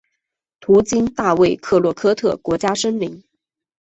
途经大卫克洛科特国家森林。